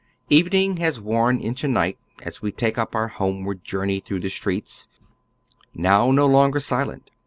Evening has worn into night as we take up our home ward journey through the streets, now no longer silent.